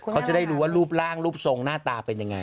เขาจะได้รู้ว่ารูปร่างรูปทรงหน้าตาเป็นยังไง